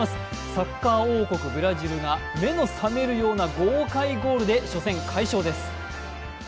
サッカー王国ブラジルが目の覚めるような豪快ゴールで初戦、快勝です。